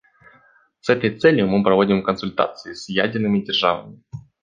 С этой целью мы проводим консультации с ядерными державами.